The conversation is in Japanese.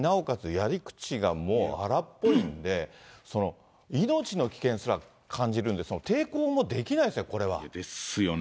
やり口がもう荒っぽいんで、命の危険すら感じるんで、抵抗もできないですね、これは。ですよね。